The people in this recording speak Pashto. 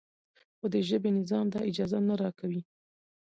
خو د ژبې نظام دا اجازه نه راکوي.